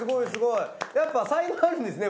やっぱ才能あるんですね